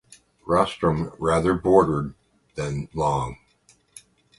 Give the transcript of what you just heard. Rostrum rather broader than long.